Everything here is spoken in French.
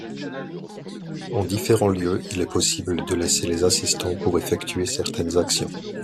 En différents lieux, il est possible de laisser les assistants pour effectuer certaines actions.